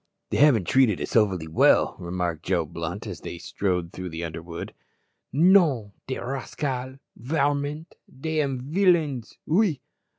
"They haven't treated us overly well," remarked Joe Blunt, as they strode through the underwood. "Non, de rascale, vraiment, de am villains. Oui!